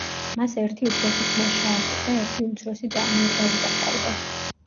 მას ერთი უფროსი ძმა, შარლი და ერთი უმცროსი და, მარგარიტა ჰყავდა.